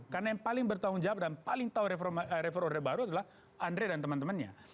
karena yang paling bertanggung jawab dan paling tahu reform order baru adalah andre dan teman temannya